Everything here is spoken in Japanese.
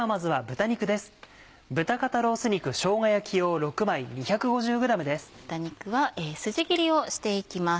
豚肉は筋切りをしていきます。